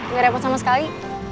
gak repot sama sekali